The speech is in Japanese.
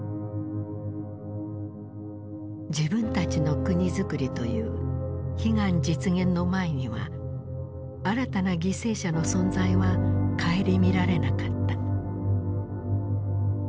自分たちの国づくりという悲願実現の前には新たな犠牲者の存在は顧みられなかった。